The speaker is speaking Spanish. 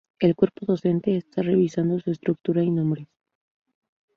El cuerpo docente está revisando su estructura y nombres.